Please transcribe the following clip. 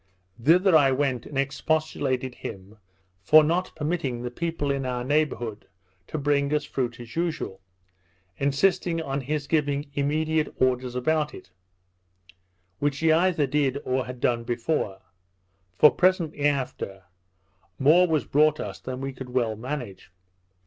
Thither I went, and expostulated with him for not permitting the people in our neighbourhood to bring us fruit as usual, insisting on his giving immediate orders about it; which he either did or had done before. For presently after, more was brought us than we could well manage.